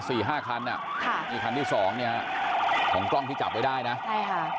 สี่ห้าคันอ่ะค่ะอีกคันที่สองเนี่ยฮะของกล้องที่จับไว้ได้นะใช่ค่ะ